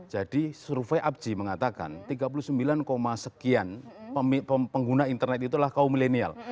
jadi survei apj mengatakan tiga puluh sembilan sekian pengguna internet itulah kaum milenial